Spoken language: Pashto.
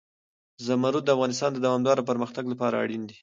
زمرد د افغانستان د دوامداره پرمختګ لپاره اړین دي.